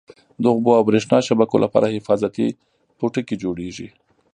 د اوبو او بریښنا شبکو لپاره حفاظتي پوټکی جوړیږي.